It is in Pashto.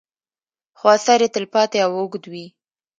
خو اثر یې تل پاتې او اوږد وي.